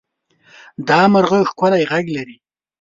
دا مرغه ښکلی غږ لري.